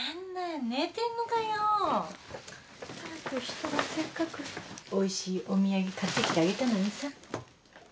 人がせっかくおいしいお土産買ってきてあげたのにさ。